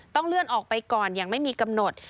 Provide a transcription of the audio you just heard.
ต้องเลื่อนออกไปก่อนยังไม่มีกำหนด